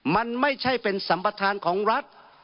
มันไม่ใช่เป็นสัมประธานของรัฐ